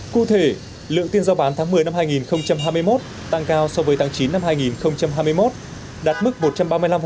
cụ thể lượng tiền giao bán tháng một mươi năm hai nghìn hai mươi một tăng cao so với tháng chín năm hai nghìn hai mươi một đạt mức một trăm ba mươi năm